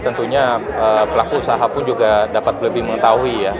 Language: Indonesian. tentunya pelaku usaha pun juga dapat lebih mengetahui ya